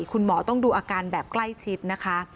คุณหมอต้องดูอาการแบบใกล้ชิดนะคะ